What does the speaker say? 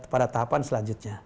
pada tahapan selanjutnya